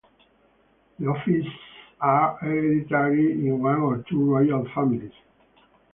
The offices are hereditary in one or two royal families.